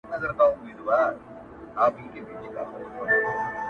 • نه هنر وي چا ته پاته د لوستلو -